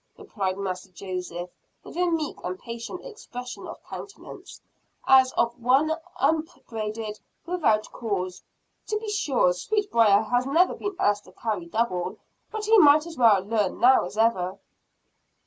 replied Master Joseph with a meek and patient expression of countenance, as of one upbraided without cause. "To be sure, Sweetbriar has never been asked to carry double; but he might as well learn now as ever."